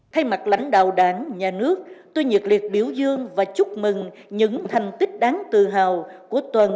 thay mặt lãnh đạo đảng nhà nước tôi nhiệt liệt biểu dương và chúc mừng những thành tích đáng tự hào của toàn